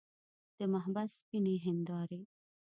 د محبس سپینې هندارې.